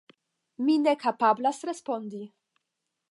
Mi ne kapablas respondi.